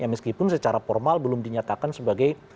meskipun secara formal belum dinyatakan sebagai